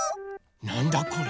なんだこれ？